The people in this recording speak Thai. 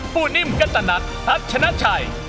ปูนิมกัตตะนัทตัดชนะชัย